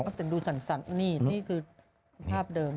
คงต้องดูสันสันนี่คือสภาพเดิม